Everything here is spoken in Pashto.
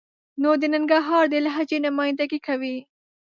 نو د ننګرهار د لهجې نماینده ګي کوي.